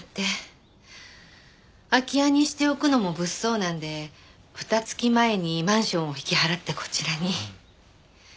空き家にしておくのも物騒なんで２月前にマンションを引き払ってこちらに。